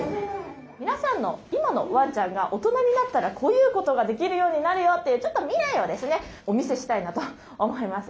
皆さんの今のワンちゃんが大人になったらこういうことができるようになるよというちょっと未来をですねお見せしたいなと思います。